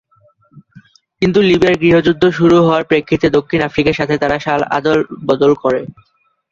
কিন্তু লিবিয়ার গৃহযুদ্ধ শুরু হওয়ার প্রেক্ষিতে দক্ষিণ আফ্রিকার সাথে তারা সাল অদল-বদল করে।